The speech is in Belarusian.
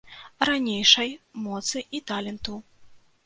Ранейшай моцы і таленту.